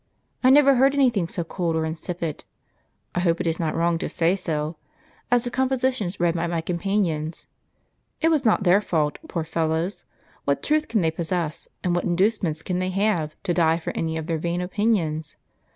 I never heard anything so cold or insipid (I hope it is not wrong to say so) as the compositions read by my companions. It was not their fault, poor fellows! what truth can they possess, and what inducements can they have, to die for any of their vain opinions?